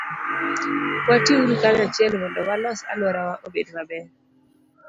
Watiuru kanyachiel mondo walos alworawa obed maber.